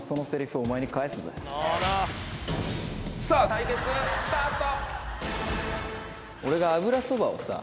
対決スタート。